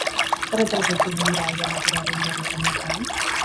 Zer etorri zaizu burura haien agurraren berri izandakoan?